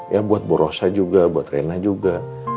ya buat borosa juga buat rena juga